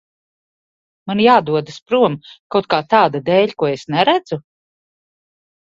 Man jādodas prom kaut kā tāda dēļ, ko es neredzu?